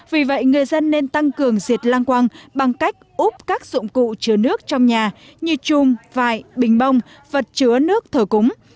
vì vậy người dân nên tăng cường diệt lang quang bằng cách úp các dụng cụ chứa nước trong nhà như chùm vải bình bông vật chứa nước thờ cúng